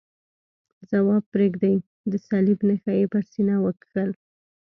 ځواب پرېږدئ، د صلیب نښه یې پر سینه وکښل.